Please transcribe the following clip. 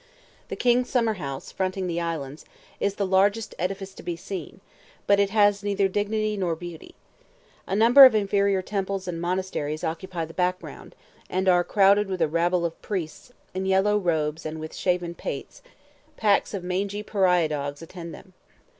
The king's summer house, fronting the islands, is the largest edifice to be seen, but it has neither dignity nor beauty. A number of inferior temples and monasteries occupy the background, and are crowded with a rabble of priests, in yellow robes and with shaven pates; packs of mangy pariah dogs attend them.